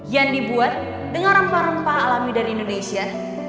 yang dibuat dengan rempah rempah alami dari indonesia